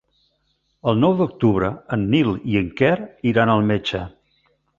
El nou d'octubre en Nil i en Quer iran al metge.